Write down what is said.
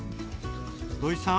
土井さん